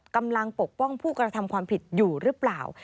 ปกป้องผู้กระทำความผิดอยู่หรือเปล่า